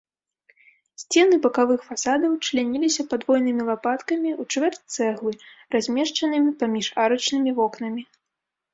Сцены бакавых фасадаў чляніліся падвойнымі лапаткамі у чвэрць цэглы, размешчанымі паміж арачнымі вокнамі.